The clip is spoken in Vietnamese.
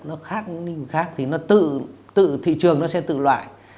nó khác lĩnh vực khác thì nó tự thị trường nó sẽ tự loại